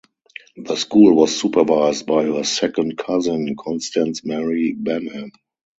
The school was supervised by her second cousin Constance Mary Benham.